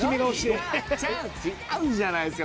違うじゃないですか！